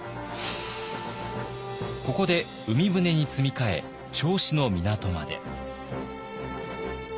ここで海船に積み替え銚子の港まで。